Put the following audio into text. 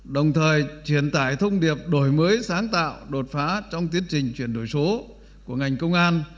đồng thời truyền tải thông điệp đổi mới sáng tạo đột phá trong tiến trình chuyển đổi số của ngành công an